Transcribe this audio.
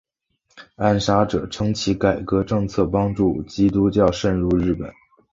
暗杀者称其改革政策帮助基督教渗入日本。